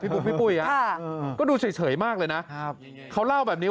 บุ๊คพี่ปุ้ยฮะก็ดูเฉยมากเลยนะครับเขาเล่าแบบนี้